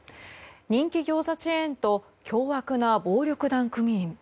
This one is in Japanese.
人気餃子チェーンと凶悪な暴力団組員。